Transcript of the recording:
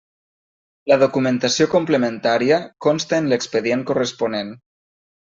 La documentació complementària consta en l'expedient corresponent.